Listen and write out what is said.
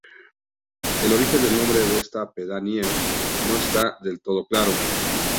El origen del nombre de esta pedanía no está del todo claro.